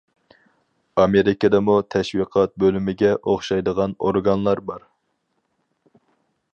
ئامېرىكىدىمۇ تەشۋىقات بۆلۈمىگە ئوخشايدىغان ئورگانلار بار.